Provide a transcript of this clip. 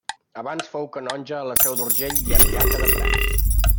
Abans fou canonge a la Seu d'Urgell i ardiaca de Prats.